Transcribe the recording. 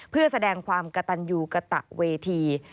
เพื่อแสดงความกระตันยูกระตะเวที